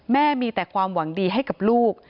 แม่มีแต่ความหวังดีให้กับลูก